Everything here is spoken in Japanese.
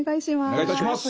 お願いいたします。